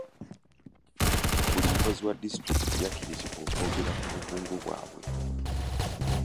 Buli mukozi wa disitulikiti yakkirizibwa okwongera ku bukugu bwabwe.